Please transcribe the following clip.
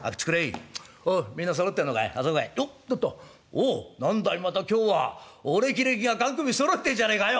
おう何だいまた今日はお歴々ががん首そろってんじゃねえかよ」。